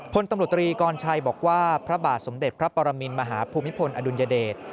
พลตำรวจตรีกรชัยบอกว่าพระบาทสมเด็จพระปรมินมหาภูมิพลอดุลยเดช